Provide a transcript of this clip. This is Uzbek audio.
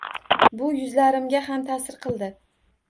Bu yuzlarimga ham taʼsir qildi.